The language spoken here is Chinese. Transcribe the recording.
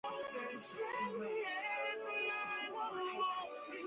电影收获了普遍影评人的好评。